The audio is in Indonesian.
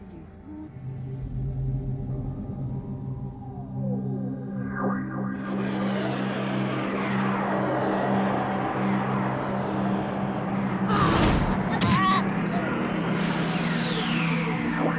uh eh apa lu ini